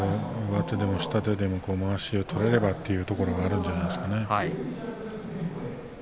上手でも下手でも、まわしを取れればというところがあるんじゃないでしょうか。